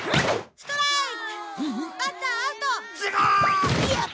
ストライク！